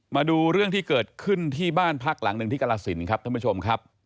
มาดูเรื่องที่เกิดขึ้นที่บ้านพักหลังหนึ่งที่กรสินครับท่านผู้ชมครับ